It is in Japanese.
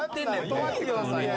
断ってくださいよ。